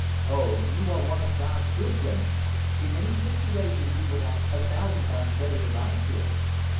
"Oh, you are one of God's good women. In any situation you would act a thousand times better than I should."